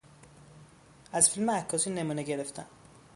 از فیلم عکاسی نمونه گرفتن